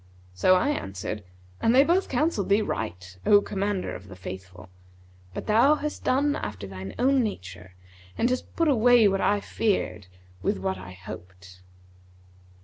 So I answered, 'And they both counselled thee right, O Commander of the Faithful, but thou hast done after thine own nature and hast put away what I feared with what I hoped.'